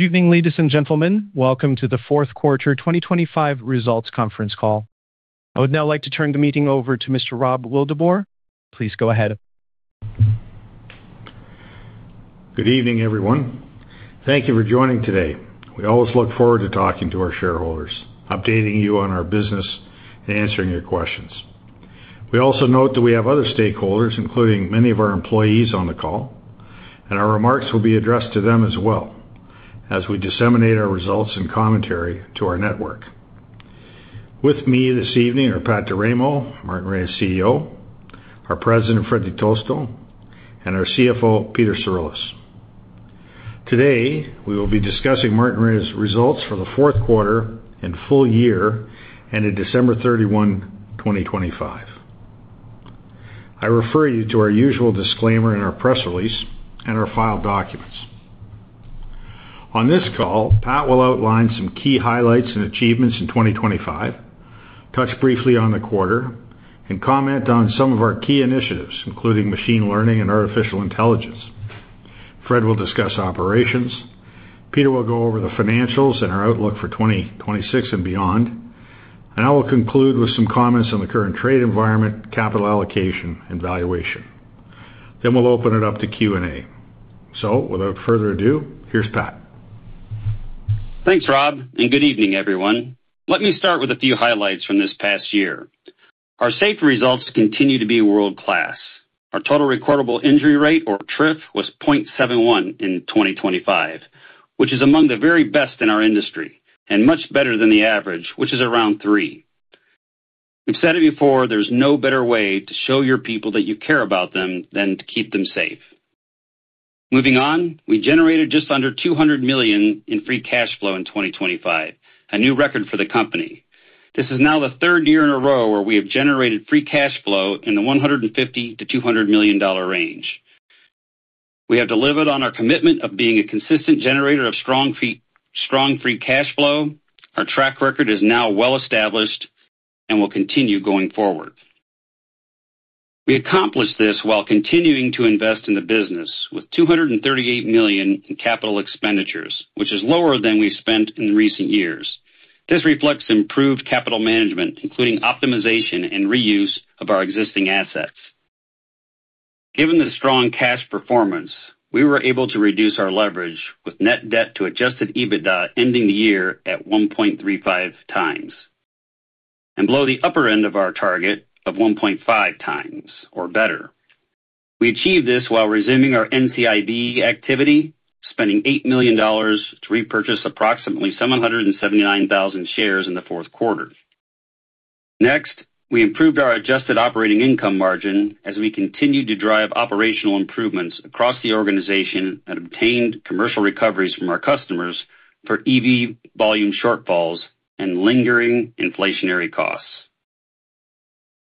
Good evening, ladies and gentlemen. Welcome to the Q4 2025 results conference call. I would now like to turn the meeting over to Mr. Rob Wildeboer. Please go ahead. Good evening, everyone. Thank you for joining today. We always look forward to talking to our shareholders, updating you on our business, and answering your questions. We also note that we have other stakeholders, including many of our employees on the call, and our remarks will be addressed to them as well as we disseminate our results and commentary to our network. With me this evening are Pat D'Eramo, Martinrea's CEO, our President, Fred Di Tosto, and our CFO, Peter Cirulis. Today, we will be discussing Martinrea's results for the Q4 and full year ended December 31, 2025. I refer you to our usual disclaimer in our press release and our filed documents. On this call, Pat will outline some key highlights and achievements in 2025, touch briefly on the quarter, and comment on some of our key initiatives, including machine learning and artificial intelligence. Fred will discuss operations. Peter will go over the financials and our outlook for 2026 and beyond. I will conclude with some comments on the current trade environment, capital allocation, and valuation. We'll open it up to Q&A. Without further ado, here's Pat. Thanks, Rob. Good evening, everyone. Let me start with a few highlights from this past year. Our safety results continue to be world-class. Our total recordable injury rate, or TRIF, was 0.71 in 2025, which is among the very best in our industry and much better than the average, which is around 3. We've said it before, there's no better way to show your people that you care about them than to keep them safe. Moving on. We generated just under $200 million in free cash flow in 2025, a new record for the company. This is now the third year in a row where we have generated free cash flow in the $150 million-$200 million range. We have delivered on our commitment of being a consistent generator of strong free cash flow. Our track record is now well established and will continue going forward. We accomplished this while continuing to invest in the business with $238 million in capital expenditures, which is lower than we spent in recent years. This reflects improved capital management, including optimization and reuse of our existing assets. Given the strong cash performance, we were able to reduce our leverage with net debt to adjusted EBITDA ending the year at 1.35 times and below the upper end of our target of 1.5 times or better. We achieved this while resuming our NCIB activity, spending $8 million to repurchase approximately 779,000 shares in the Q4. We improved our adjusted operating income margin as we continued to drive operational improvements across the organization and obtained commercial recoveries from our customers for EV volume shortfalls and lingering inflationary costs.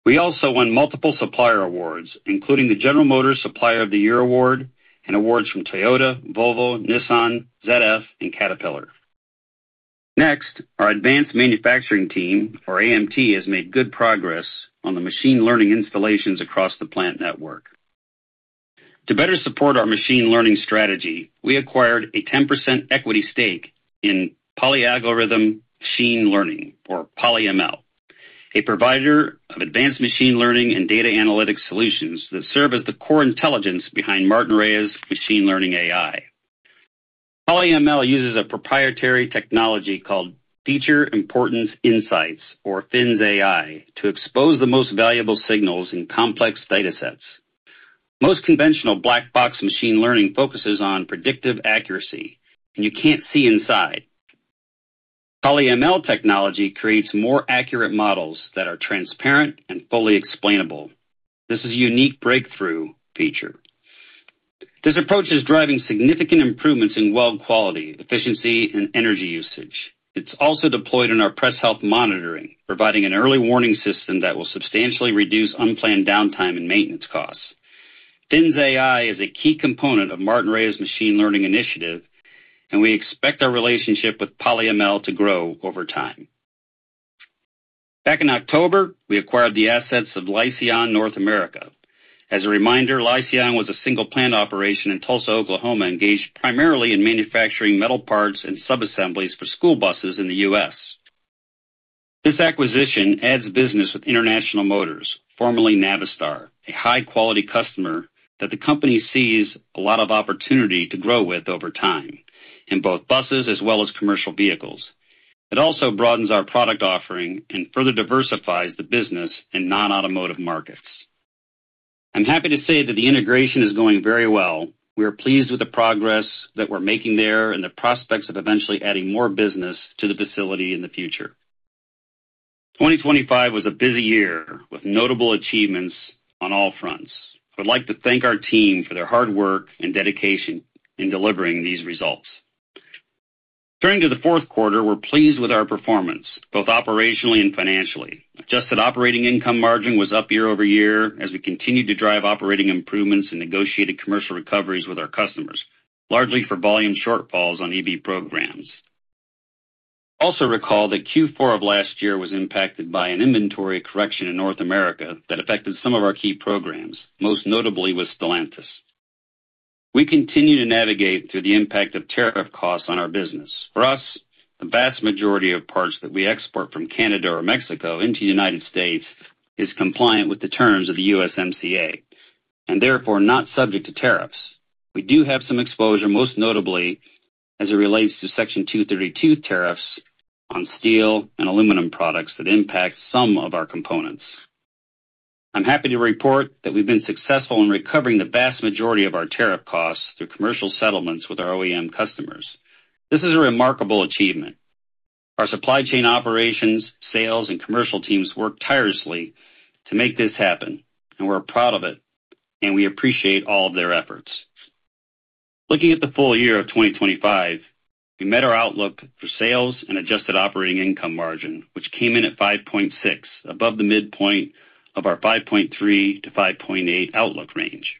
We also won multiple supplier awards, including the General Motors Supplier of the Year award and awards from Toyota, Volvo, Nissan, ZF, and Caterpillar. Our advanced manufacturing team or AMT, has made good progress on the machine learning installations across the plant network. To better support our machine learning strategy, we acquired a 10% equity stake in PolyAlgorithm Machine Learning, or PolyML, a provider of advanced machine learning and data analytics solutions that serve as the core intelligence behind Martinrea's machine learning AI. PolyML uses a proprietary technology called Feature Importance Insights, or FINS AI, to expose the most valuable signals in complex datasets. Most conventional black box machine learning focuses on predictive accuracy. You can't see inside. PolyML technology creates more accurate models that are transparent and fully explainable. This is a unique breakthrough feature. This approach is driving significant improvements in weld quality, efficiency, and energy usage. It's also deployed in our press health monitoring, providing an early warning system that will substantially reduce unplanned downtime and maintenance costs. FINS AI is a key component of Martinrea's machine learning initiative. We expect our relationship with PolyML to grow over time. Back in October, we acquired the assets of Leyseon North America. As a reminder, Lyseon was a single plant operation in Tulsa, Oklahoma, engaged primarily in manufacturing metal parts and subassemblies for school buses in the U.S. This acquisition adds business with International Motors, formerly Navistar, a high-quality customer that the company sees a lot of opportunity to grow with over time in both buses as well as commercial vehicles. It also broadens our product offering and further diversifies the business in non-automotive markets. I'm happy to say that the integration is going very well. We are pleased with the progress that we're making there and the prospects of eventually adding more business to the facility in the future. 2025 was a busy year with notable achievements on all fronts. I would like to thank our team for their hard work and dedication in delivering these results. Turning to the Q4, we're pleased with our performance, both operationally and financially. Adjusted operating income margin was up year-over-year as we continued to drive operating improvements and negotiated commercial recoveries with our customers, largely for volume shortfalls on EV programs. Recall that Q4 of last year was impacted by an inventory correction in North America that affected some of our key programs, most notably with Stellantis. We continue to navigate through the impact of tariff costs on our business. For us, the vast majority of parts that we export from Canada or Mexico into United States is compliant with the terms of the USMCA, and therefore not subject to tariffs. We do have some exposure, most notably as it relates to Section 232 tariffs on steel and aluminum products that impact some of our components. I'm happy to report that we've been successful in recovering the vast majority of our tariff costs through commercial settlements with our OEM customers. This is a remarkable achievement. Our supply chain operations, sales, and commercial teams work tirelessly to make this happen, and we're proud of it, and we appreciate all of their efforts. Looking at the full year of 2025, we met our outlook for sales and adjusted operating income margin, which came in at 5.6, above the midpoint of our 5.3%-5.8% outlook range.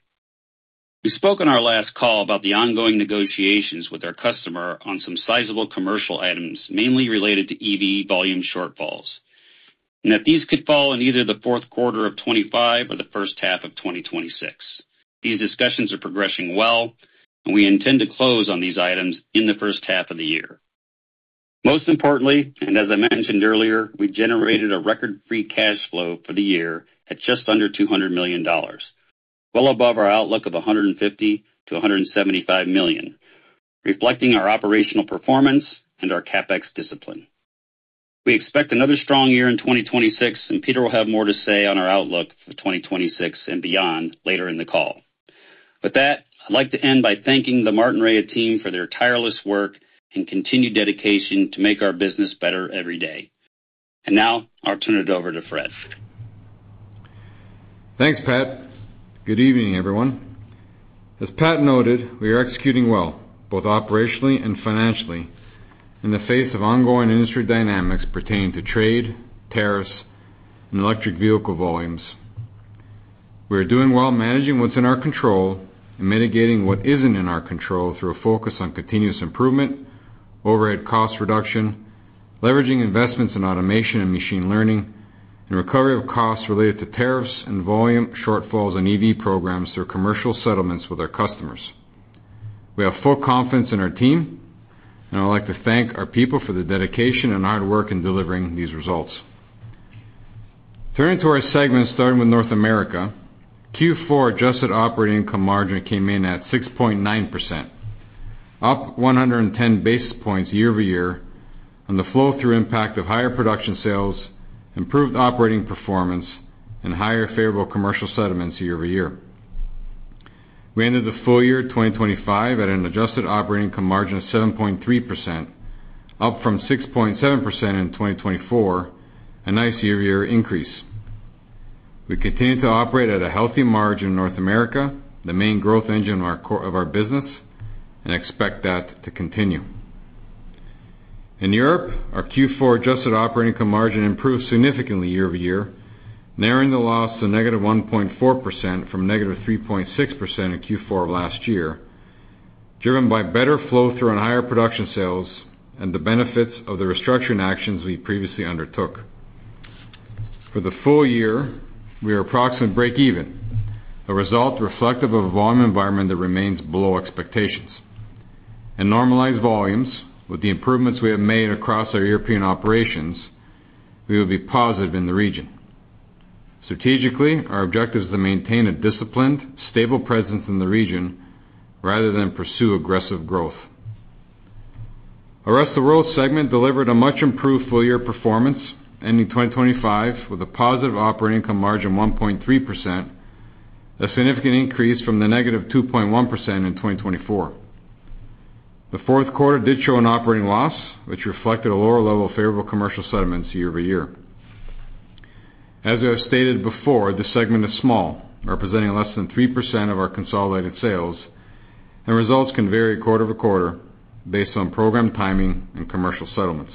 We spoke on our last call about the ongoing negotiations with our customer on some sizable commercial items, mainly related to EV volume shortfalls, and that these could fall in either the Q4 of 25 or the first half of 2026. These discussions are progressing well, and we intend to close on these items in the first half of the year. Most importantly, as I mentioned earlier, we generated a record free cash flow for the year at just under $200 million. Well above our outlook of $150 million-$175 million, reflecting our operational performance and our CapEx discipline. We expect another strong year in 2026, and Peter will have more to say on our outlook for 2026 and beyond later in the call. With that, I'd like to end by thanking the Martinrea team for their tireless work and continued dedication to make our business better every day. Now I'll turn it over to Fred. Thanks, Pat. Good evening, everyone. As Pat noted, we are executing well, both operationally and financially, in the face of ongoing industry dynamics pertaining to trade, tariffs, and EV volumes. We're doing well managing what's in our control and mitigating what isn't in our control through a focus on continuous improvement, overhead cost reduction, leveraging investments in automation and machine learning, and recovery of costs related to tariffs and volume shortfalls on EV programs through commercial settlements with our customers. We have full confidence in our team, and I'd like to thank our people for their dedication and hard work in delivering these results. Turning to our segment, starting with North America. Q4 adjusted operating income margin came in at 6.9%, up 110 basis points year-over-year on the flow-through impact of higher production sales, improved operating performance, and higher favorable commercial settlements year-over-year. We ended the full year 2025 at an adjusted operating income margin of 7.3%, up from 6.7% in 2024, a nice year-over-year increase. We continue to operate at a healthy margin in North America, the main growth engine of our business, and expect that to continue. In Europe, our Q4 adjusted operating income margin improved significantly year-over-year, narrowing the loss to -1.4% from -3.6% in Q4 of last year, driven by better flow-through on higher production sales and the benefits of the restructuring actions we previously undertook. For the full year, we are approximately break even, a result reflective of a volume environment that remains below expectations. In normalized volumes, with the improvements we have made across our European operations, we will be positive in the region. Strategically, our objective is to maintain a disciplined, stable presence in the region rather than pursue aggressive growth. Our Rest of World segment delivered a much improved full-year performance, ending 2025 with a positive operating income margin 1.3%, a significant increase from the -2.1% in 2024. The Q4 did show an operating loss, which reflected a lower level of favorable commercial settlements year-over-year. As I have stated before, this segment is small, representing less than 3% of our consolidated sales, and results can vary quarter-over-quarter based on program timing and commercial settlements.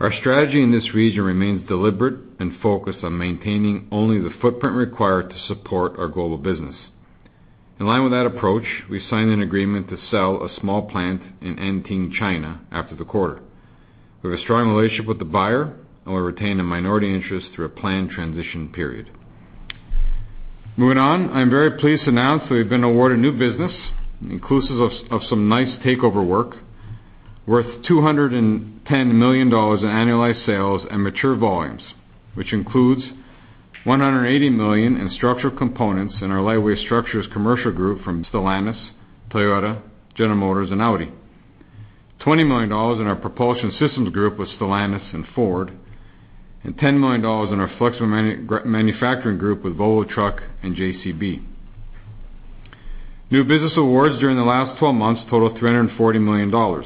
Our strategy in this region remains deliberate and focused on maintaining only the footprint required to support our global business. In line with that approach, we signed an agreement to sell a small plant in Anting, China, after the quarter. We have a strong relationship with the buyer and will retain a minority interest through a planned transition period. Moving on. I'm very pleased to announce that we've been awarded new business, inclusive of some nice takeover work, worth $210 million in annualized sales and mature volumes, which includes $180 million in structural components in our Lightweight Structures commercial group from Stellantis, Toyota, General Motors, and Audi. $20 million in our Propulsion Systems group with Stellantis and Ford, and $10 million in our Flexible Manufacturing group with Volvo Trucks and JCB. New business awards during the last 12 months total $340 million.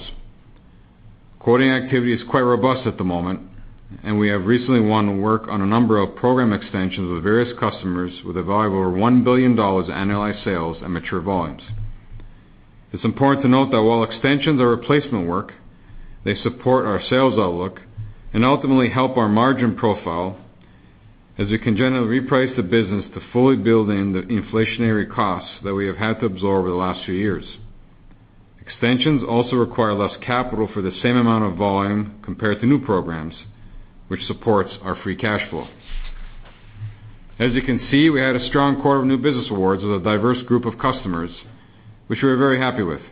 Quoting activity is quite robust at the moment. We have recently won work on a number of program extensions with various customers with a value over $1 billion annualized sales and mature volumes. It's important to note that while extensions are replacement work, they support our sales outlook and ultimately help our margin profile. You can generally reprice the business to fully build in the inflationary costs that we have had to absorb over the last few years. Extensions also require less capital for the same amount of volume compared to new programs, which supports our free cash flow. You can see, we had a strong quarter of new business awards with a diverse group of customers, which we are very happy with.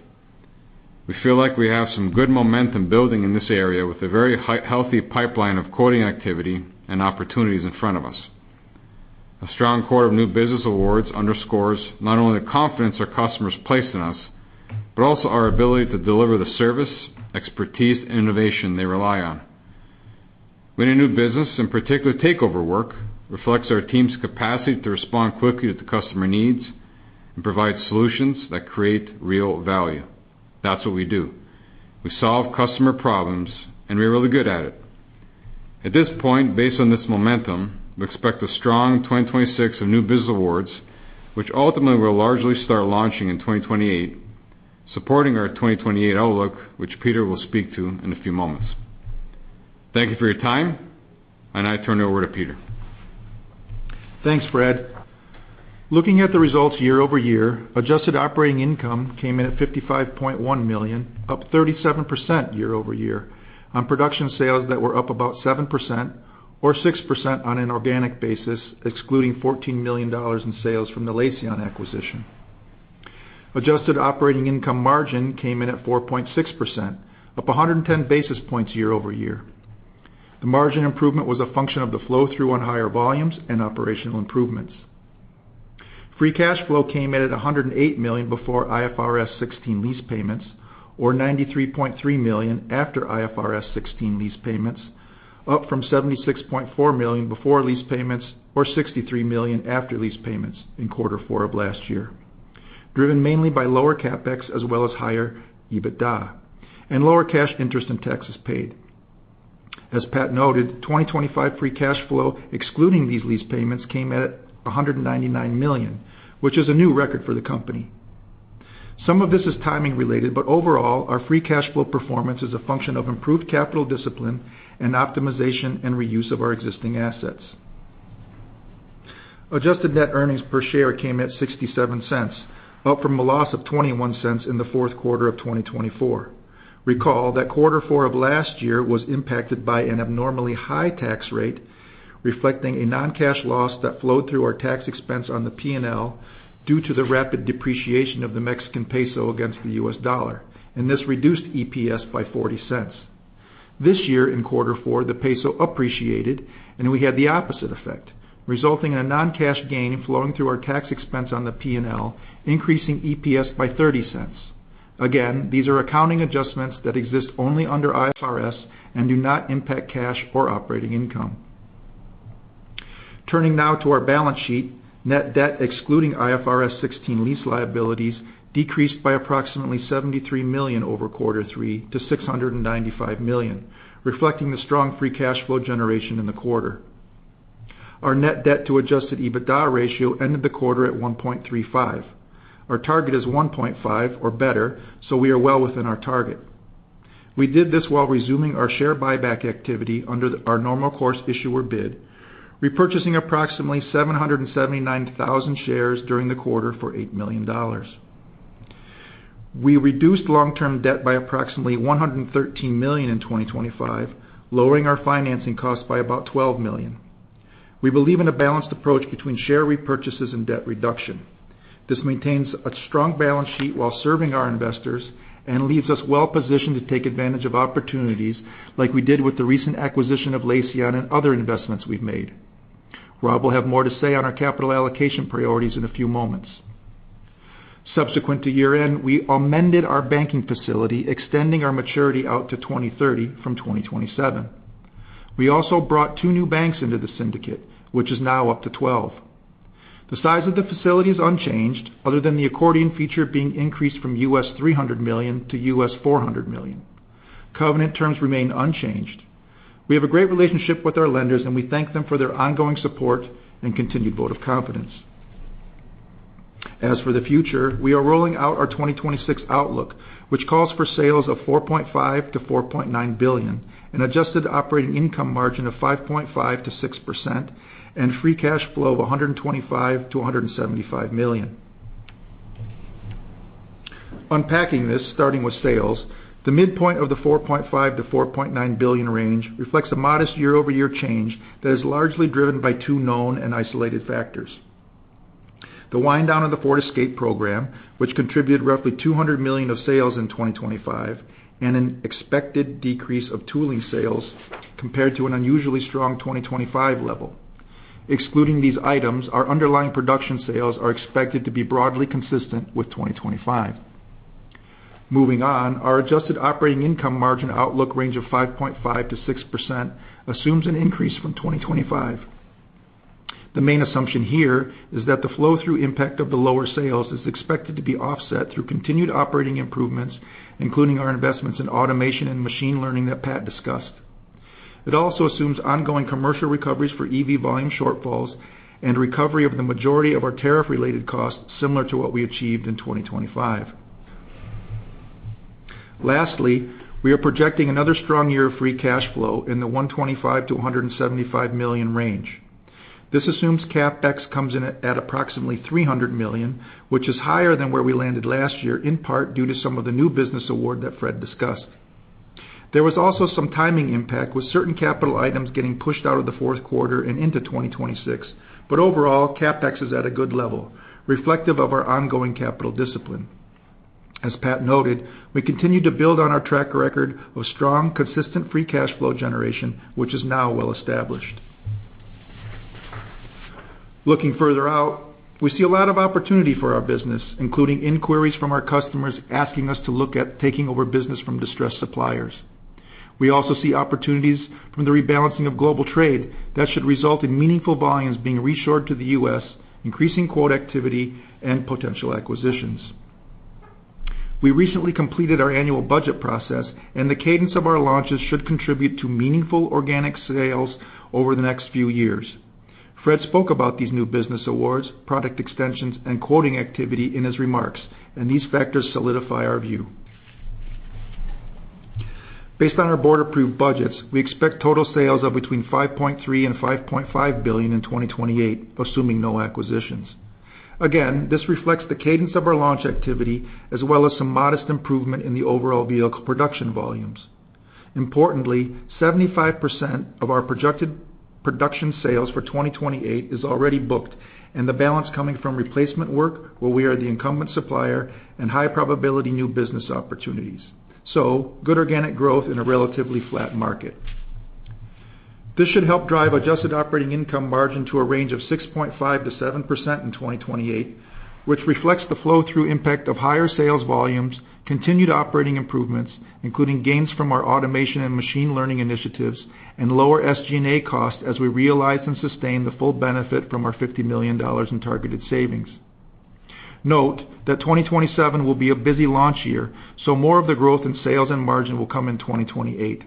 We feel like we have some good momentum building in this area with a very healthy pipeline of quoting activity and opportunities in front of us. A strong quarter of new business awards underscores not only the confidence our customers place in us, but also our ability to deliver the service, expertise, and innovation they rely on. Winning new business, in particular takeover work, reflects our team's capacity to respond quickly to customer needs and provide solutions that create real value. That's what we do. We solve customer problems, and we're really good at it. At this point, based on this momentum, we expect a strong 2026 of new business awards, which ultimately will largely start launching in 2028, supporting our 2028 outlook, which Peter will speak to in a few moments. Thank you for your time. I turn it over to Peter. Thanks, Fred. Looking at the results year-over-year, adjusted operating income came in at $55.1 million, up 37% year-over-year on production sales that were up about 7% or 6% on an organic basis, excluding $14 million in sales from the Lyseon acquisition. Adjusted operating income margin came in at 4.6%, up 110 basis points year-over-year. The margin improvement was a function of the flow-through on higher volumes and operational improvements. Free cash flow came in at $108 million before IFRS 16 lease payments, or $93.3 million after IFRS 16 lease payments, up from $76.4 million before lease payments or $63 million after lease payments in quarter four of last year, driven mainly by lower CapEx as well as higher EBITDA and lower cash interest in taxes paid. As Pat noted, 2025 free cash flow, excluding these lease payments, came at $199 million, which is a new record for the company. Some of this is timing related, but overall, our free cash flow performance is a function of improved capital discipline and optimization and reuse of our existing assets. Adjusted net earnings per share came at $0.67, up from a loss of $0.21 in the Q4 of 2024. Recall that quarter four of last year was impacted by an abnormally high tax rate, reflecting a non-cash loss that flowed through our tax expense on the P&L due to the rapid depreciation of the Mexican peso against the US dollar. This reduced EPS by $0.40. This year in quarter four, the peso appreciated. We had the opposite effect, resulting in a non-cash gain flowing through our tax expense on the P&L, increasing EPS by $0.30. Again, these are accounting adjustments that exist only under IFRS and do not impact cash or operating income. Turning now to our balance sheet. Net debt, excluding IFRS 16 lease liabilities, decreased by approximately $73 million over quarter three to $695 million, reflecting the strong free cash flow generation in the quarter. Our net debt to adjusted EBITDA ratio ended the quarter at 1.35. Our target is 1.5 or better, so we are well within our target. We did this while resuming our share buyback activity under our Normal Course Issuer Bid, repurchasing approximately 779,000 shares during the quarter for $8 million. We reduced long-term debt by approximately $113 million in 2025, lowering our financing cost by about $12 million. We believe in a balanced approach between share repurchases and debt reduction. This maintains a strong balance sheet while serving our investors and leaves us well-positioned to take advantage of opportunities like we did with the recent acquisition of Lyseon and other investments we've made. Rob will have more to say on our capital allocation priorities in a few moments. Subsequent to year-end, we amended our banking facility, extending our maturity out to 2030 from 2027. We also brought 2 new banks into the syndicate, which is now up to 12. The size of the facility is unchanged other than the accordion feature being increased from $300 million to $400 million. Covenant terms remain unchanged. We have a great relationship with our lenders, and we thank them for their ongoing support and continued vote of confidence. As for the future, we are rolling out our 2026 outlook, which calls for sales of $4.5 billion-$4.9 billion, an adjusted operating income margin of 5.5%-6%, and free cash flow of $125 million-$175 million. Unpacking this, starting with sales, the midpoint of the $4.5 billion-$4.9 billion range reflects a modest year-over-year change that is largely driven by 2 known and isolated factors. The wind down of the Ford Escape program, which contributed roughly $200 million of sales in 2025, and an expected decrease of tooling sales compared to an unusually strong 2025 level. Excluding these items, our underlying production sales are expected to be broadly consistent with 2025. Moving on, our adjusted operating income margin outlook range of 5.5%-6% assumes an increase from 2025. The main assumption here is that the flow-through impact of the lower sales is expected to be offset through continued operating improvements, including our investments in automation and machine learning that Pat discussed. It also assumes ongoing commercial recoveries for EV volume shortfalls and recovery of the majority of our tariff-related costs, similar to what we achieved in 2025. We are projecting another strong year of free cash flow in the $125 million-$175 million range. This assumes CapEx comes in at approximately $300 million, which is higher than where we landed last year, in part due to some of the new business award that Fred discussed. There was also some timing impact, with certain capital items getting pushed out of the Q4 and into 2026. Overall, CapEx is at a good level, reflective of our ongoing capital discipline. As Pat noted, we continue to build on our track record of strong, consistent free cash flow generation, which is now well-established. Looking further out, we see a lot of opportunity for our business, including inquiries from our customers asking us to look at taking over business from distressed suppliers. We also see opportunities from the rebalancing of global trade that should result in meaningful volumes being reshored to the U.S., increasing quote activity and potential acquisitions. We recently completed our annual budget process, and the cadence of our launches should contribute to meaningful organic sales over the next few years. Fred spoke about these new business awards, product extensions, and quoting activity in his remarks, and these factors solidify our view. Based on our board-approved budgets, we expect total sales of between $5.3 billion and $5.5 billion in 2028, assuming no acquisitions. Again, this reflects the cadence of our launch activity as well as some modest improvement in the overall vehicle production volumes. Importantly, 75% of our projected production sales for 2028 is already booked, and the balance coming from replacement work where we are the incumbent supplier and high-probability new business opportunities. Good organic growth in a relatively flat market. This should help drive adjusted operating income margin to a range of 6.5%-7% in 2028, which reflects the flow-through impact of higher sales volumes, continued operating improvements, including gains from our automation and machine learning initiatives and lower SG&A costs as we realize and sustain the full benefit from our $50 million in targeted savings. Note that 2027 will be a busy launch year, more of the growth in sales and margin will come in 2028.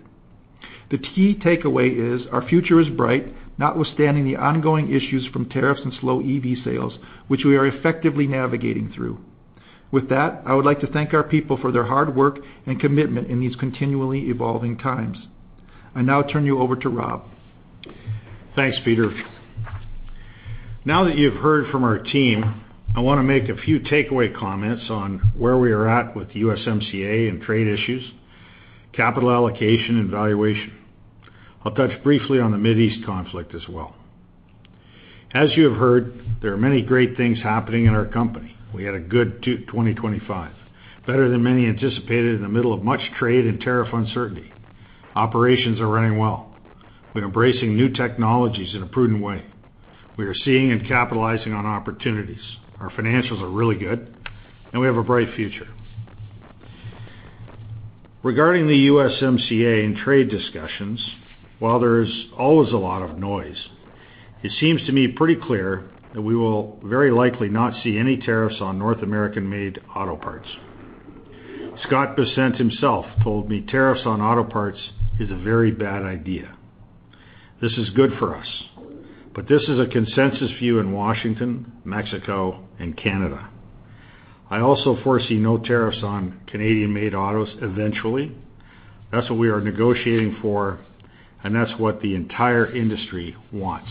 The key takeaway is our future is bright, notwithstanding the ongoing issues from tariffs and slow EV sales, which we are effectively navigating through. With that, I would like to thank our people for their hard work and commitment in these continually evolving times. I now turn you over to Rob. Thanks, Peter. Now that you've heard from our team, I wanna make a few takeaway comments on where we are at with USMCA and trade issues, capital allocation, and valuation. I'll touch briefly on the Mideast conflict as well. As you have heard, there are many great things happening in our company. We had a good 2025, better than many anticipated in the middle of much trade and tariff uncertainty. Operations are running well. We're embracing new technologies in a prudent way. We are seeing and capitalizing on opportunities. Our financials are really good, and we have a bright future. Regarding the USMCA and trade discussions, while there's always a lot of noise, it seems to me pretty clear that we will very likely not see any tariffs on North American-made auto parts. Scott Bessent himself told me tariffs on auto parts is a very bad idea. This is good for us, this is a consensus view in Washington, Mexico, and Canada. I also foresee no tariffs on Canadian-made autos eventually. That's what we are negotiating for, and that's what the entire industry wants.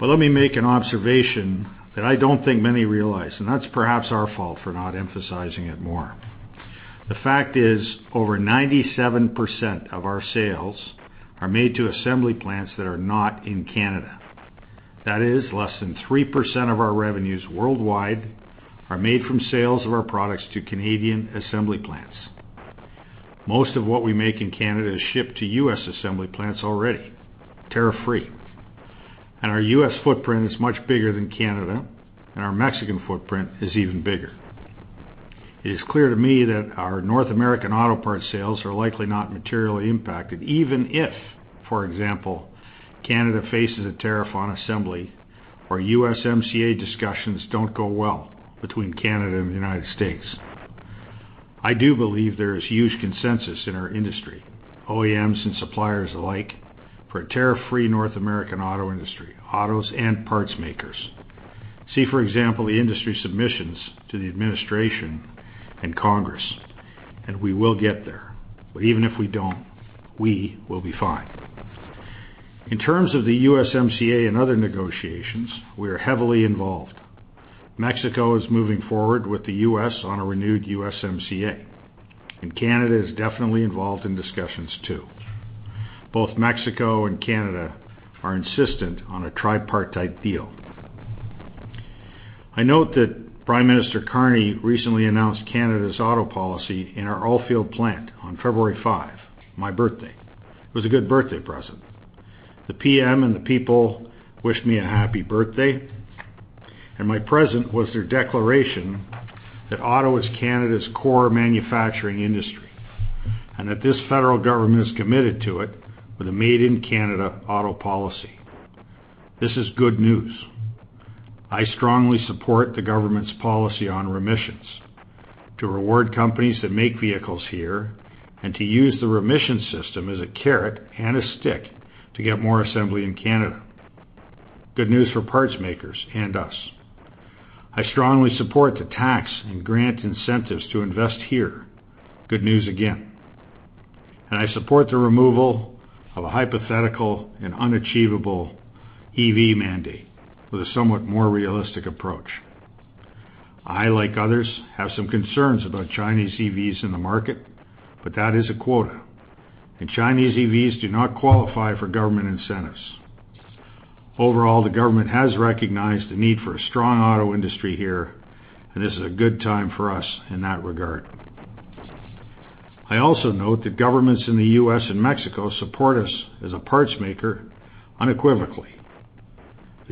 Let me make an observation that I don't think many realize, and that's perhaps our fault for not emphasizing it more. The fact is, over 97% of our sales are made to assembly plants that are not in Canada. That is, less than 3% of our revenues worldwide are made from sales of our products to Canadian assembly plants. Most of what we make in Canada is shipped to U.S. assembly plants already, tariff-free. Our U.S. footprint is much bigger than Canada, and our Mexican footprint is even bigger. It is clear to me that our North American auto parts sales are likely not materially impacted, even if, for example, Canada faces a tariff on assembly or USMCA discussions don't go well between Canada and the United States. I do believe there is huge consensus in our industry, OEMs and suppliers alike, for a tariff-free North American auto industry, autos and parts makers. See, for example, the industry submissions to the administration and Congress, and we will get there. Even if we don't, we will be fine. In terms of the USMCA and other negotiations, we are heavily involved. Mexico is moving forward with the U.S. on a renewed USMCA, and Canada is definitely involved in discussions too. Both Mexico and Canada are insistent on a tripartite deal. I note that Prime Minister Carney recently announced Canada's auto policy in our Alliston plant on February five, my birthday. It was a good birthday present. The PM and the people wished me a happy birthday, and my present was their declaration that auto is Canada's core manufacturing industry, and that this federal government is committed to it with a Made in Canada auto policy. This is good news. I strongly support the government's policy on remissions to reward companies that make vehicles here and to use the remission system as a carrot and a stick to get more assembly in Canada. Good news for parts makers and us. I strongly support the tax and grant incentives to invest here. Good news again. I support the removal of a hypothetical and unachievable EV mandate with a somewhat more realistic approach. I, like others, have some concerns about Chinese EVs in the market, but that is a quota, and Chinese EVs do not qualify for government incentives. Overall, the government has recognized the need for a strong auto industry here, and this is a good time for us in that regard. I also note that governments in the U.S. and Mexico support us as a parts maker unequivocally.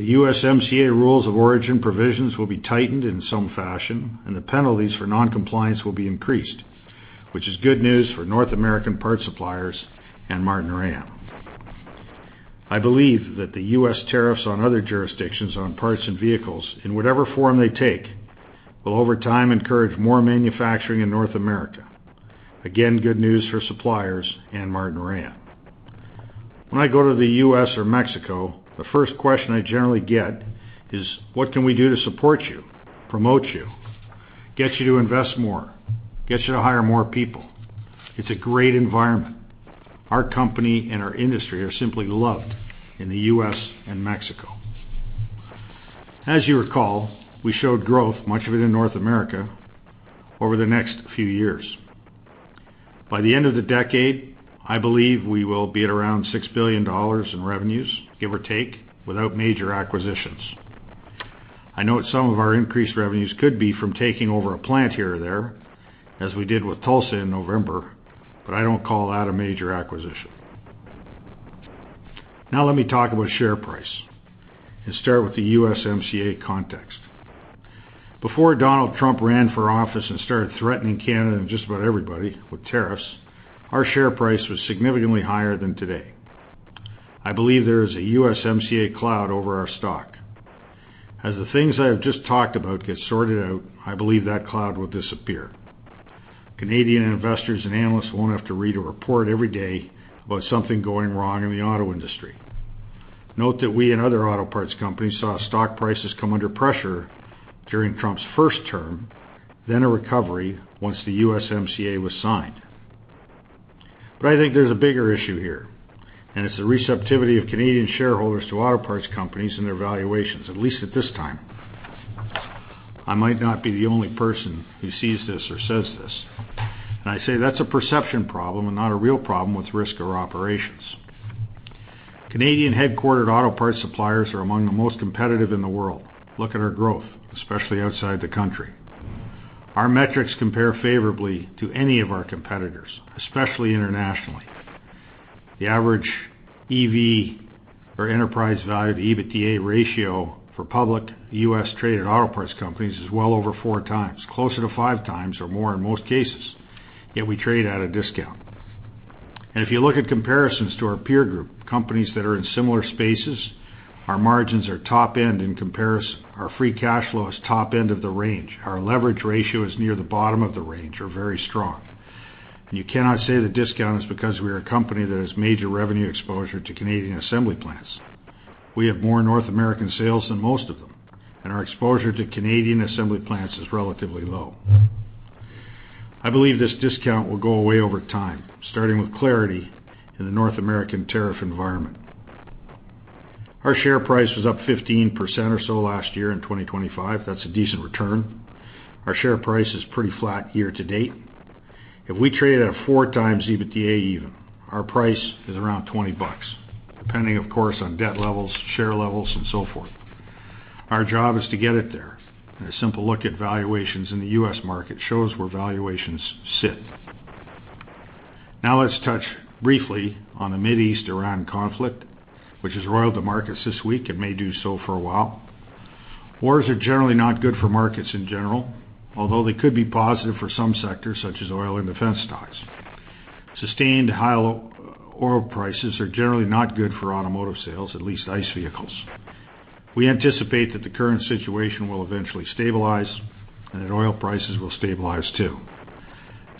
The USMCA rules of origin provisions will be tightened in some fashion, and the penalties for non-compliance will be increased, which is good news for North American part suppliers and Martinrea. I believe that the U.S. tariffs on other jurisdictions on parts and vehicles, in whatever form they take, will over time, encourage more manufacturing in North America. Good news for suppliers and Martinrea. When I go to the U.S. or Mexico, the first question I generally get is: What can we do to support you, promote you, get you to invest more, get you to hire more people? It's a great environment. Our company and our industry are simply loved in the U.S. and Mexico. As you recall, we showed growth, much of it in North America over the next few years. By the end of the decade, I believe we will be at around $6 billion in revenues, give or take, without major acquisitions. I know some of our increased revenues could be from taking over a plant here or there, as we did with Tulsa in November, but I don't call that a major acquisition. Let me talk about share price and start with the USMCA context. Before Donald Trump ran for office and started threatening Canada and just about everybody with tariffs, our share price was significantly higher than today. I believe there is a USMCA cloud over our stock. The things I've just talked about get sorted out, I believe that cloud will disappear. Canadian investors and analysts won't have to read a report every day about something going wrong in the auto industry. Note that we and other auto parts companies saw stock prices come under pressure during Trump's first term, then a recovery once the USMCA was signed. I think there's a bigger issue here, and it's the receptivity of Canadian shareholders to auto parts companies and their valuations, at least at this time. I might not be the only person who sees this or says this, and I say that's a perception problem and not a real problem with risk or operations. Canadian headquartered auto parts suppliers are among the most competitive in the world. Look at our growth, especially outside the country. Our metrics compare favorably to any of our competitors, especially internationally. The average EV or enterprise value to EBITDA ratio for public U.S.-traded auto parts companies is well over 4 times, closer to 5 times or more in most cases, yet we trade at a discount. If you look at comparisons to our peer group, companies that are in similar spaces, our margins are top end in comparison. Our free cash flow is top end of the range. Our leverage ratio is near the bottom of the range, or very strong. You cannot say the discount is because we are a company that has major revenue exposure to Canadian assembly plants. We have more North American sales than most of them, and our exposure to Canadian assembly plants is relatively low. I believe this discount will go away over time, starting with clarity in the North American tariff environment. Our share price was up 15% or so last year in 2025. That's a decent return. Our share price is pretty flat year to date. If we trade at a 4x EBITDA even, our price is around $20, depending of course, on debt levels, share levels, and so forth. Our job is to get it there. A simple look at valuations in the U.S. market shows where valuations sit. Let's touch briefly on the Mid East Iran conflict, which has roiled the markets this week and may do so for a while. Wars are generally not good for markets in general, although they could be positive for some sectors such as oil and defense stocks. Sustained high oil prices are generally not good for automotive sales, at least ICE vehicles. We anticipate that the current situation will eventually stabilize and that oil prices will stabilize too.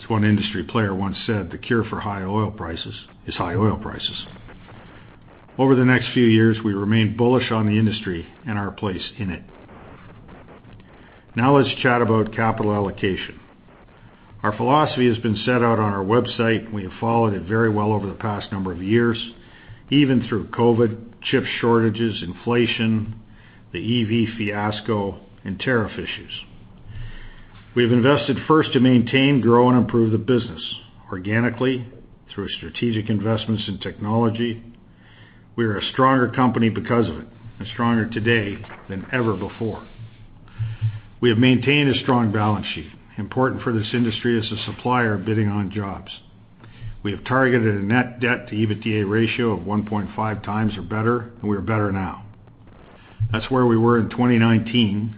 As one industry player once said, "The cure for high oil prices is high oil prices." Over the next few years, we remain bullish on the industry and our place in it. Let's chat about capital allocation. Our philosophy has been set out on our website. We have followed it very well over the past number of years, even through COVID, chip shortages, inflation, the EV fiasco, and tariff issues. We have invested first to maintain, grow and improve the business organically through strategic investments in technology. We are a stronger company because of it, and stronger today than ever before. We have maintained a strong balance sheet, important for this industry as a supplier bidding on jobs. We have targeted a net debt to EBITDA ratio of 1.5 times or better, and we are better now. That's where we were in 2019,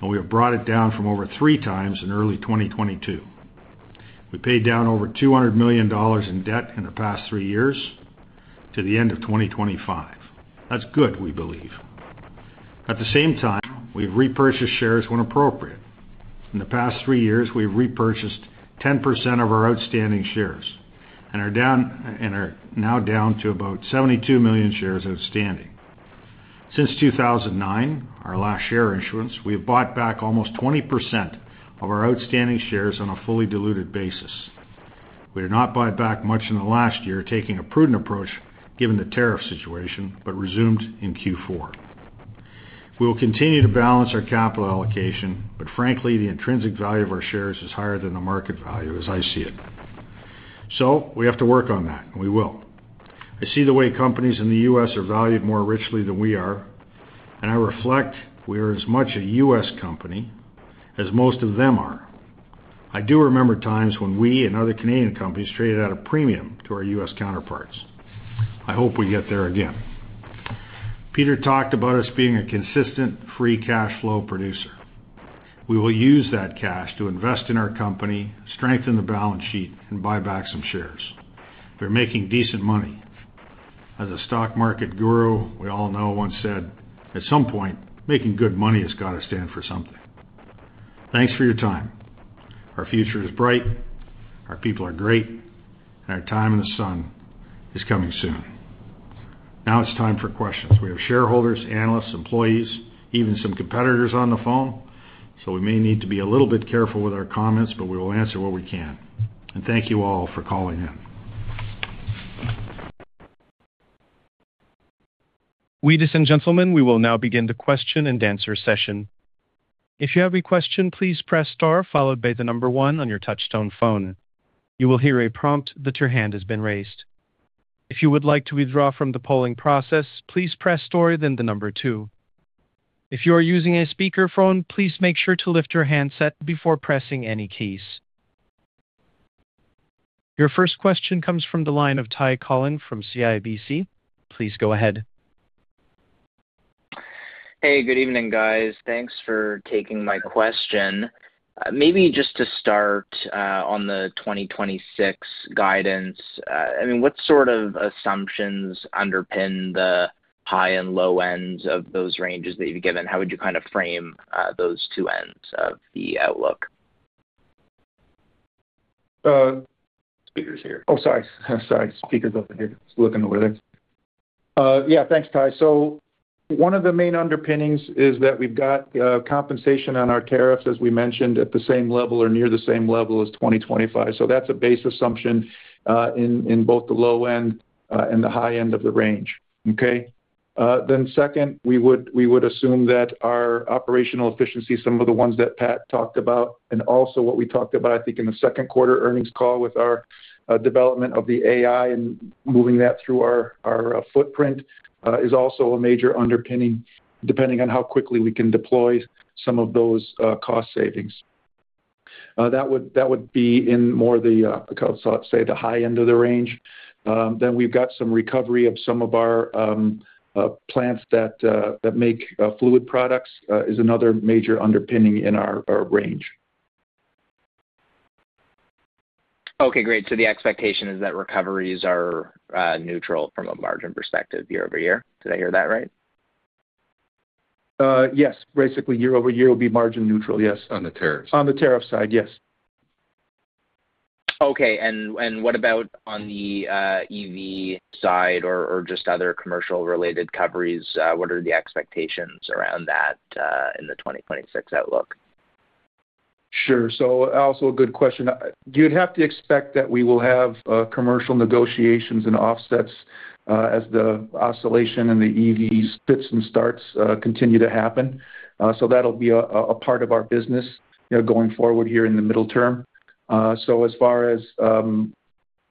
and we have brought it down from over 3 times in early 2022. We paid down over $200 million in debt in the past 3 years to the end of 2025. That's good, we believe. At the same time, we've repurchased shares when appropriate. In the past three years, we've repurchased 10% of our outstanding shares and are now down to about 72 million shares outstanding. Since 2009, our last share issuance, we have bought back almost 20% of our outstanding shares on a fully diluted basis. We did not buy back much in the last year, taking a prudent approach given the tariff situation, but resumed in Q4. We will continue to balance our capital allocation, but frankly, the intrinsic value of our shares is higher than the market value as I see it. We have to work on that, and we will. I see the way companies in the U.S. are valued more richly than we are, and I reflect we are as much a U.S. company as most of them are. I do remember times when we and other Canadian companies traded at a premium to our U.S. counterparts. I hope we get there again. Peter talked about us being a consistent free cash flow producer. We will use that cash to invest in our company, strengthen the balance sheet and buy back some shares. We're making decent money. As a stock market guru, we all know once said, "At some point, making good money has got to stand for something." Thanks for your time. Our future is bright, our people are great, and our time in the sun is coming soon. Now it's time for questions. We have shareholders, analysts, employees, even some competitors on the phone, so we may need to be a little bit careful with our comments, but we will answer what we can. Thank you all for calling in. Ladies and gentlemen, we will now begin the question-and-answer session. If you have a question, please press star followed by 1 on your touchtone phone. You will hear a prompt that your hand has been raised. If you would like to withdraw from the polling process, please press star, then 2. If you are using a speakerphone, please make sure to lift your handset before pressing any keys. Your first question comes from the line of Ty Collen from CIBC. Please go ahead. Hey, good evening, guys. Thanks for taking my question. Maybe just to start, on the 2026 guidance, I mean, what sort of assumptions underpins the high and low ends of those ranges that you've given? How would you kind of frame, those two ends of the outlook? Uh. Speaker's here. Oh, sorry. Sorry. Speaker's over here. Just looking over there. Yeah, thanks, Ty. One of the main underpinnings is that we've got compensation on our tariffs, as we mentioned, at the same level or near the same level as 2025. That's a base assumption in both the low end and the high end of the range. Okay? Second, we would assume that our operational efficiency, some of the ones that Pat talked about and also what we talked about, I think, in the second quarter earnings call with our development of the AI and moving that through our footprint is also a major underpinning depending on how quickly we can deploy some of those cost savings. That would be in more they say the high end of the range. We've got some recovery of some of our plants that make fluid products is another major underpinning in our range. Great. The expectation is that recoveries are neutral from a margin perspective year-over-year. Did I hear that right? Yes. Basically, year-over-year will be margin neutral. Yes. On the tariffs. On the tariff side, yes. Okay. What about on the EV side or just other commercial related recoveries? What are the expectations around that in the 2026 outlook? Sure. Also, a good question. You'd have to expect that we will have commercial negotiations and offsets as the oscillation and the EV spits and starts continue to happen. That'll be a part of our business, going forward here in the middle term. As far as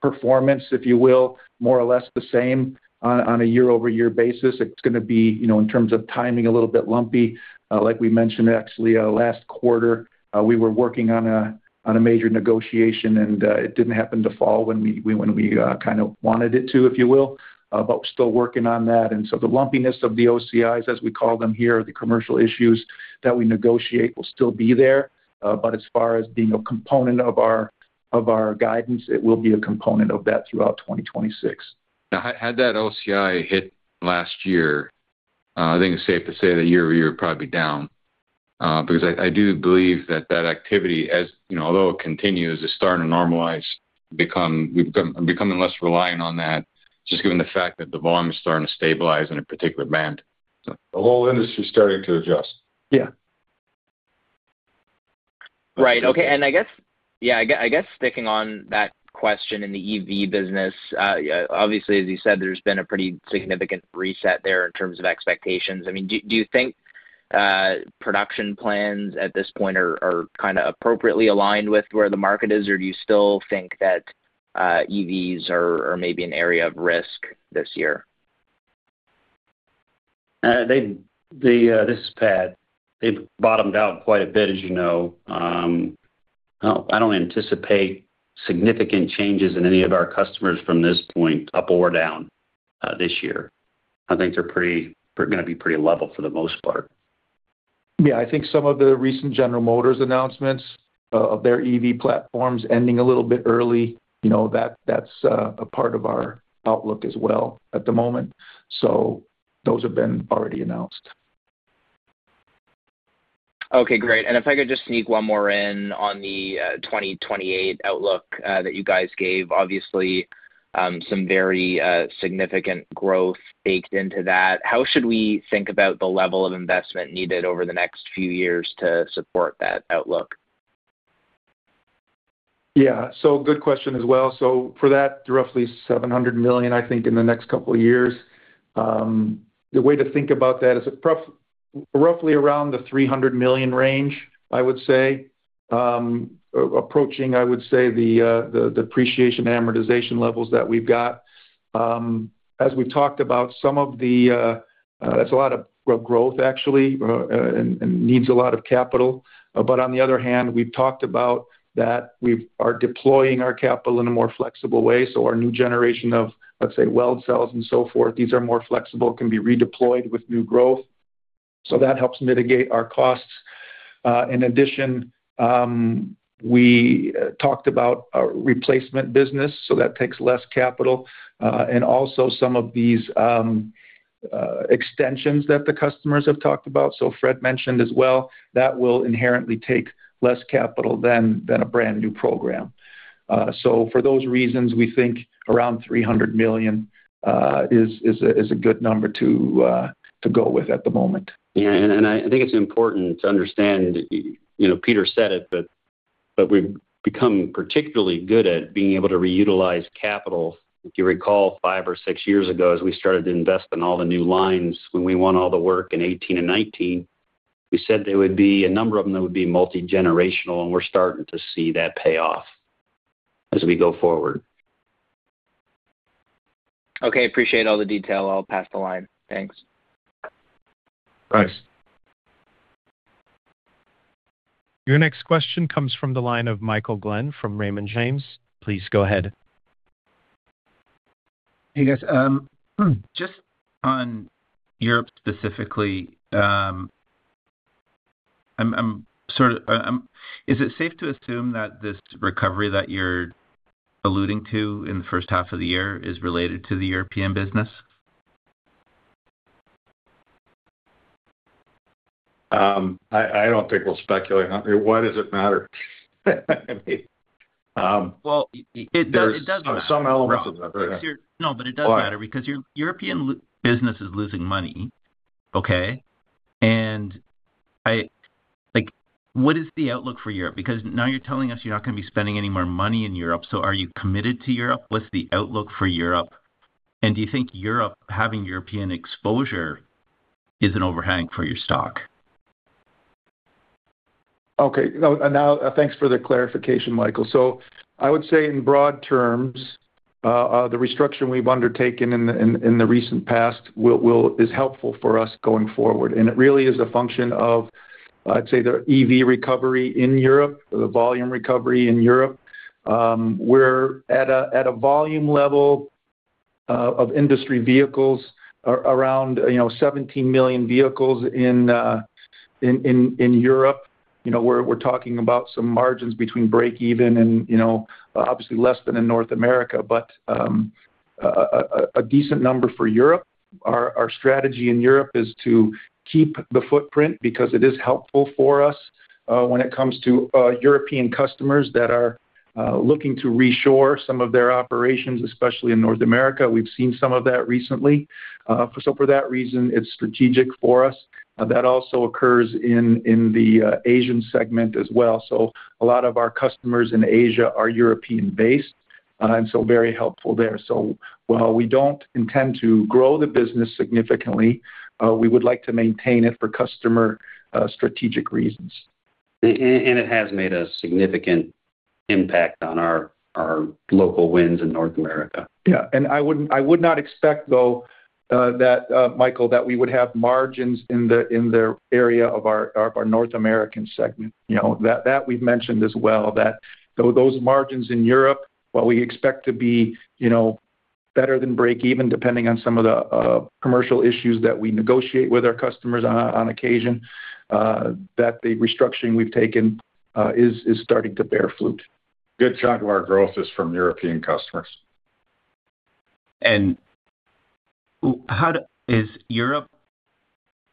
performance, if you will, more or less the same on a year-over-year basis. It's gonna be, in terms of timing, a little bit lumpy. Like we mentioned, actually, last quarter, we were working on a major negotiation, and it didn't happen to fall when we kind of wanted it to, if you will. We're still working on that. The lumpiness of the OCI, as we call them here, the commercial issues that we negotiate will still be there. As far as being a component of our, of our guidance, it will be a component of that throughout 2026. Had that OCI hit last year, I think it's safe to say that year-over-year probably down. Because I do believe that that activity, although it continues, is starting to normalize, becoming less reliant on that, just given the fact that the volume is starting to stabilize in a particular band. The whole industry is starting to adjust. Yeah. Right. Okay. I guess sticking on that question in the EV business, obviously, as you said, there's been a pretty significant reset there in terms of expectations. I mean, do you think production plans at this point are kinda appropriately aligned with where the market is, or do you still think that EVs are maybe an area of risk this year? This is Pat. They've bottomed out quite a bit, as you know I don't anticipate significant changes in any of our customers from this point up or down, this year. I think they're gonna be pretty level for the most part. Yeah. I think some of the recent General Motors announcements of their EV platforms ending a little bit early, that's a part of our outlook as well at the moment. Those have been already announced. Okay, great. If I could just sneak one more in on the 2028 outlook that you guys gave. Obviously, some very significant growth baked into that. How should we think about the level of investment needed over the next few years to support that outlook? Yeah. Good question as well. For that, roughly $700 million, I think, in the next couple of years. The way to think about that is roughly around the $300 million range, I would say, approaching, I would say, the depreciation amortization levels that we've got. As we've talked about some of the... That's a lot of growth actually and needs a lot of capital. On the other hand, we've talked about that we are deploying our capital in a more flexible way. Our new generation of, let's say, weld cells and so forth, these are more flexible, can be redeployed with new growth. That helps mitigate our costs. In addition, we talked about a replacement business, that takes less capital, and also some of these extensions that the customers have talked about. Fred mentioned as well, that will inherently take less capital than a brand-new program. For those reasons, we think around $300 million is a good number to go with at the moment. Yeah. I think it's important to understand, Peter said it, but we've become particularly good at being able to reutilize capital. If you recall, five or six years ago, as we started to invest in all the new lines, when we won all the work in 2018 and 2019, we said there would be a number of them that would be multigenerational, and we're starting to see that pay off as we go forward. Okay. Appreciate all the detail. I'll pass the line. Thanks. Thanks. Your next question comes from the line of Michael Glen from Raymond James. Please go ahead. Hey, guys. Just on Europe specifically, I'm sort of, is it safe to assume that this recovery that you're alluding to in the first half of the year is related to the European business? I don't think we'll speculate on... Why does it matter? I mean, Well, it does matter. There's some elements of that. Go ahead. No, but it does matter. Why? Your European business is losing money, okay? Like, what is the outlook for Europe? Now you're telling us you're not gonna be spending any more money in Europe. Are you committed to Europe? What's the outlook for Europe? Do you think Europe, having European exposure is an overhang for your stock? Okay. No. Now, thanks for the clarification, Michael Glen. I would say in broad terms, the restructuring we've undertaken in the recent past is helpful for us going forward. It really is a function of, I'd say, the EV recovery in Europe, the volume recovery in Europe. We're at a volume level of industry vehicles around, 17 million vehicles in Europe. You know, we're talking about some margins between break even and, obviously less than in North America, but a decent number for Europe. Our strategy in Europe is to keep the footprint because it is helpful for us when it comes to European customers that are looking to reshore some of their operations, especially in North America. We've seen some of that recently. For that reason, it's strategic for us. That also occurs in the Asian segment as well. A lot of our customers in Asia are European based, very helpful there. While we don't intend to grow the business significantly, we would like to maintain it for customer strategic reasons. It has made a significant impact on our local wins in North America. I would not expect, though, that Michael, that we would have margins in the area of our North American segment. You know, that we've mentioned as well, that those margins in Europe, while we expect to be better than break even, depending on some of the commercial issues that we negotiate with our customers on occasion, that the restructuring we've taken is starting to bear fruit. Good chunk of our growth is from European customers. How is Europe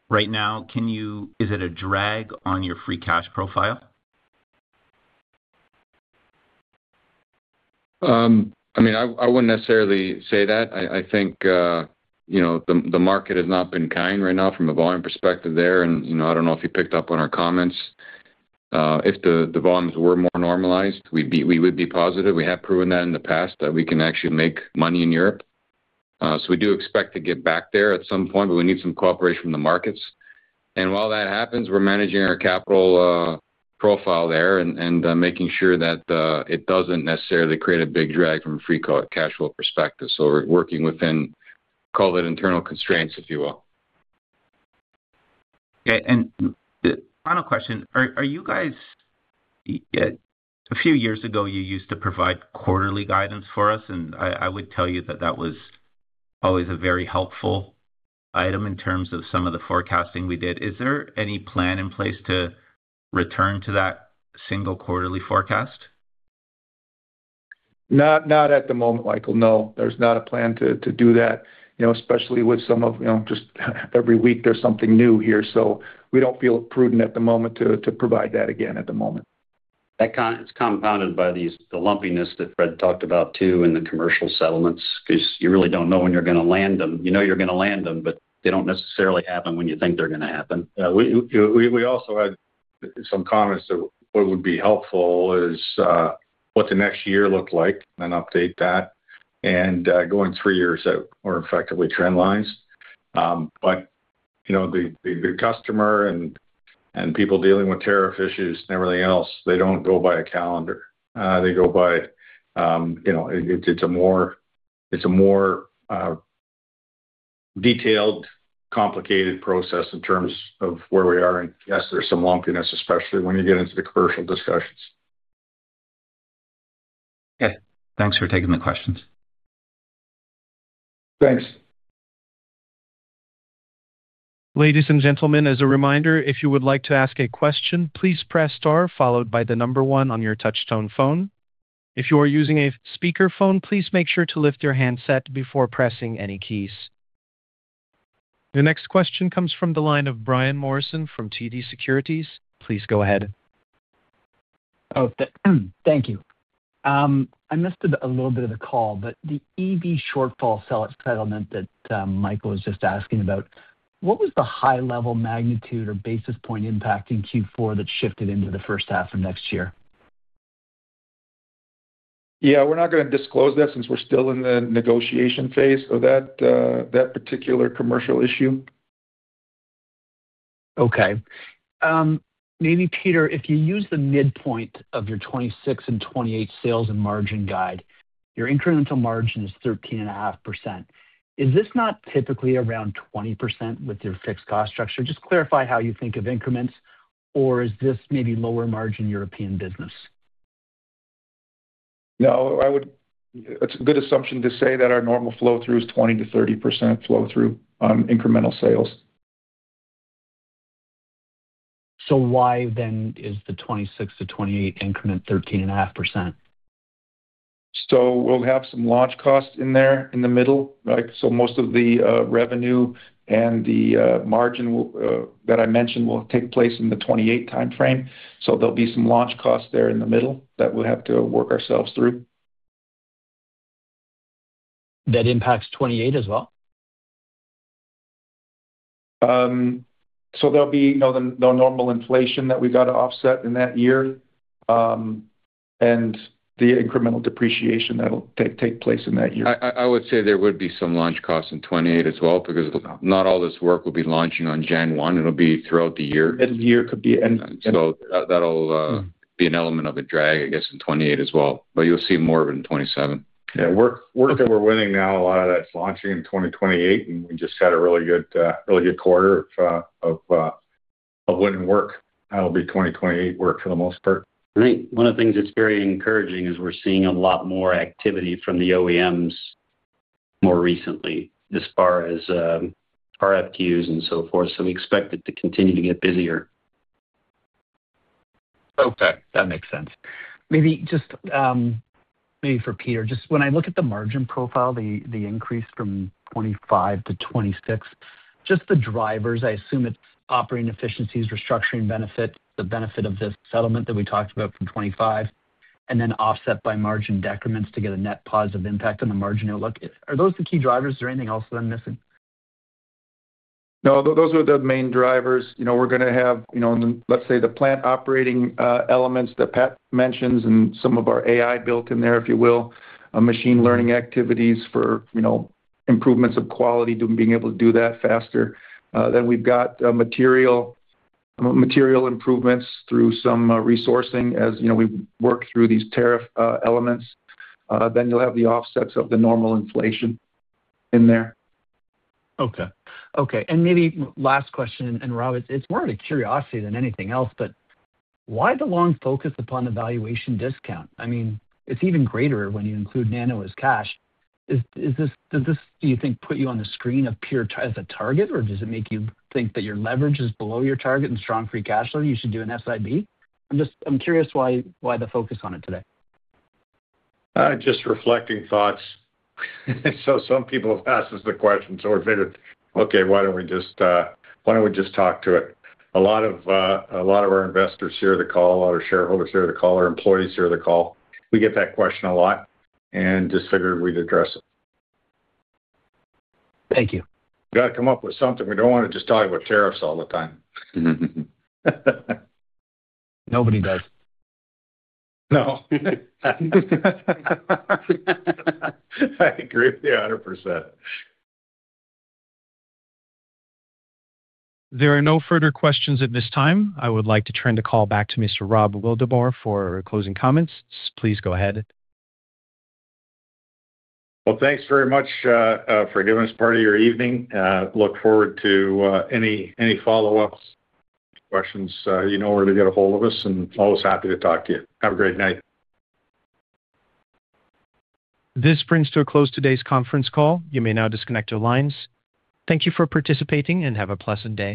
right now, is it a drag on your free cash profile? I mean, I wouldn't necessarily say that. I think, the market has not been kind right now from a volume perspective there. You know, I don't know if you picked up on our comments. If the volumes were more normalized, we would be positive. We have proven that in the past that we can actually make money in Europe. We do expect to get back there at some point, but we need some cooperation from the markets. While that happens, we're managing our capital profile there and making sure that it doesn't necessarily create a big drag from a free cash flow perspective. We're working within, call it internal constraints, if you will. Yeah. The final question. Are you guys... A few years ago, you used to provide quarterly guidance for us, and I would tell you that that was Always a very helpful item in terms of some of the forecasting we did. Is there any plan in place to return to that single quarterly forecast? Not at the moment, Michael. No, there's not a plan to do that, especially with You know, just every week there's something new here, we don't feel prudent at the moment to provide that again at the moment. It's compounded by these, the lumpiness that Fred talked about too in the commercial settlements, 'cause you really don't know when you're gonna land them. You know you're gonna land them, they don't necessarily happen when you think they're gonna happen. We also had some comments that what would be helpful is what the next year looked like and update that. Going 3 years out or effectively trend lines. You know, the customer and people dealing with tariff issues and everything else, they don't go by a calendar. They go by, it's a more detailed, complicated process in terms of where we are. Yes, there's some lumpiness, especially when you get into the commercial discussions. Okay. Thanks for taking the questions. Thanks. Ladies and gentlemen, as a reminder, if you would like to ask a question, please press Star followed by 1 on your touch tone phone. If you are using a speaker phone, please make sure to lift your handset before pressing any keys. The next question comes from the line of Brian Morrison from TD Securities. Please go ahead. Thank you. I missed a little bit of the call, but the EV shortfall settlement that Michael was just asking about, what was the high-level magnitude or basis point impact in Q4 that shifted into the first half of next year? Yeah, we're not gonna disclose that since we're still in the negotiation phase of that particular commercial issue. Okay. maybe Peter, if you use the midpoint of your 26 and 28 sales and margin guide, your incremental margin is 13.5%. Is this not typically around 20% with your fixed cost structure? Just clarify how you think of increments or is this maybe lower margin European business? No, it's a good assumption to say that our normal flow through is 20% to 30% flow through on incremental sales. Why then is the 26-28 increment 13.5%? We'll have some launch costs in there in the middle, right? Most of the revenue and the margin will that I mentioned will take place in the 28 timeframe, so there'll be some launch costs there in the middle that we'll have to work ourselves through. That impacts 28 as well? There'll be no the normal inflation that we got to offset in that year, and the incremental depreciation that'll take place in that year. I would say there would be some launch costs in 2028 as well, because not all this work will be launching on January 1. It'll be throughout the year. End of the year could be, end. That'll be an element of a drag, I guess, in 2028 as well. You'll see more of it in 2027. Yeah. Work that we're winning now, a lot of that's launching in 2028. We just had a really good quarter of winning work. That'll be 2028 work for the most part. Great. One of the things that's very encouraging is we're seeing a lot more activity from the OEMs more recently as far as RFQs and so forth, so we expect it to continue to get busier. Okay, that makes sense. Maybe just, maybe for Peter, just when I look at the margin profile, the increase from 2025 to 2026, just the drivers, I assume it's operating efficiencies, restructuring benefits, the benefit of this settlement that we talked about from 2025, and then offset by margin decrements to get a net positive impact on the margin outlook. Are those the key drivers? Is there anything else that I'm missing? Those are the main drivers. You know, we're gonna have, let's say the plant operating elements that Pat mentioned and some of our AI built in there, if you will. Machine learning activities for, improvements of quality, being able to do that faster. We've got material improvements through some resourcing as, we work through these tariff elements. You'll have the offsets of the normal inflation in there. Okay. Okay. Maybe last question. Rob, it's more out of curiosity than anything else, but why the long focus upon the valuation discount? I mean, it's even greater when you include NanoXplore as cash. Does this, do you think, put you on the screen as a target, or does it make you think that your leverage is below your target and strong free cash flow, you should do an SIB? I'm just, I'm curious why the focus on it today. Just reflecting thoughts. Some people have asked us the question, so we figured, okay, why don't we just, why don't we just talk to it? A lot of, a lot of our investors hear the call, a lot of shareholders hear the call, our employees hear the call. We get that question a lot and just figured we'd address it. Thank you. We gotta come up with something. We don't wanna just talk about tariffs all the time. Nobody does. No. I agree with you 100%. There are no further questions at this time. I would like to turn the call back to Mr. Rob Wildeboer for closing comments. Please go ahead. Thanks very much for giving us part of your evening. Look forward to any follow-ups, questions. You know where to get a hold of us and always happy to talk to you. Have a great night. This brings to a close today's conference call. You may now disconnect your lines. Thank you for participating and have a pleasant day.